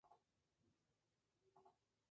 Habita en Chipre, Asia Menor.